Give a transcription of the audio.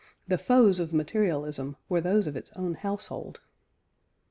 The foes of materialism were those of its own household.